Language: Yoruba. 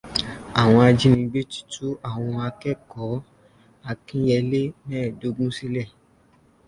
Àwọn ajínigbé ti tú àwọn ọmọ akẹ́kọ̀ọ́ Akínyẹlé mẹ́ẹ̀dọ́gun sílẹ̀